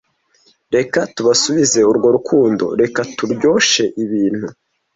reka tubasubize urwo rukundo reka turyoshe ibintu